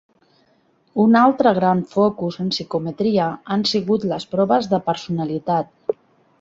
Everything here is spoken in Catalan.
Un altre gran focus en psicometria han sigut les proves de personalitat.